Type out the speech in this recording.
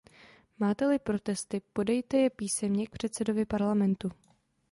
Máte-li protesty, podejte je písemně k předsedovi Parlamentu.